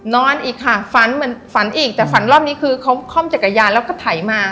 นอนอีกค่ะฝันอีกแต่ฝันรอบนี้คือเขาข้อมจากกระยานแล้วก็ไถมา